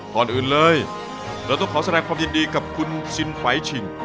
ก่อนอื่นเลยเราต้องขอแสดงความยินดีกับคุณซิมไฟล์ชิง